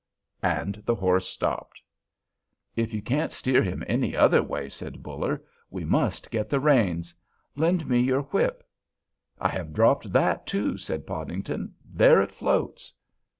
and the horse stopped. "If you can't steer him any other way," said Buller, "we must get the reins. Lend me your whip." "I have dropped that too," said Podington; "there it floats."